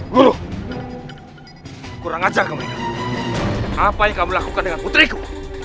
wuluh kurang ajar kamu apa yang kamu lakukan dengan putriku